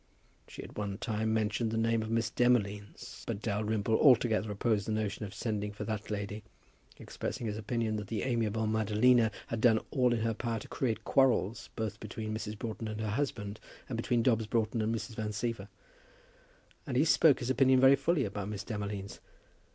She at one time mentioned the name of Miss Demolines; but Dalrymple altogether opposed the notion of sending for that lady, expressing his opinion that the amiable Madalina had done all in her power to create quarrels both between Mrs. Broughton and her husband and between Dobbs Broughton and Mrs. Van Siever. And he spoke his opinion very fully about Miss Demolines.